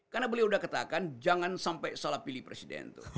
karena beliau udah katakan jangan sampai salah pilih presiden tuh